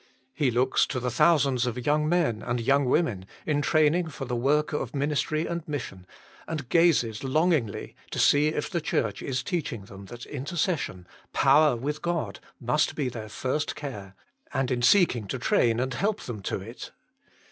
He looks to the thousands of young men and young women in training for the work of ministry and mission, and gazes longingly to see if the Church is teaching them that intercession, power with God, must be their first care, and in seeking to train and help them to it.